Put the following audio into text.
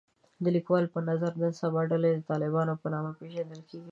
د لیکوال په نظر نن سبا ډلې د طالبانو په نامه پېژندل کېږي